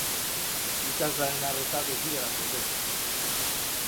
Ikaslearen arreta desbideratzen du.